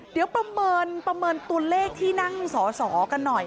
เดี๋ยวประเมินประเมินตุนเลขที่นั่งสอกันหน่อย